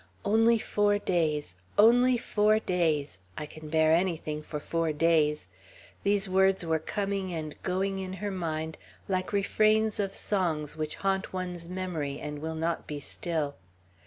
"Only four days; only four days; I can bear anything for four days!" these words were coming and going in her mind like refrains of songs which haunt one's memory and will not be still.